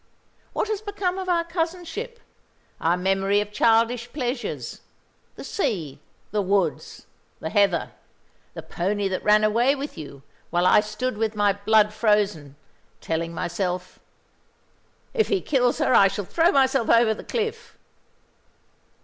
What has become of our cousinship; our memory of childish pleasures, the sea, the woods, the heather; the pony that ran away with you, while I stood with my blood frozen, telling myself, 'If he kills her I shall throw myself over the cliff'?